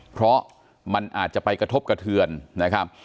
เพราะมันอาจจะไปกระทบกระเทือนนะครับ